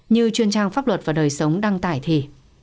như chuyên trang pháp luật và đời sống đăng tải thì